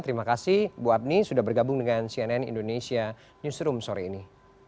terima kasih bu apni sudah bergabung dengan cnn indonesia newsroom sore ini